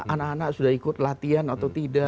anak anak sudah ikut latihan atau tidak